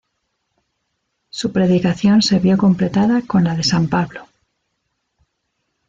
Su predicación se vio completada con la de San Pablo.